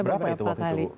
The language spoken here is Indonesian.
berapa itu waktu itu